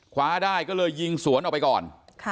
คว้าได้ก็เลยยิงสวนออกไปก่อน